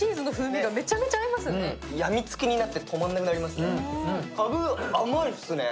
やみつきになって止まんなくなりますね。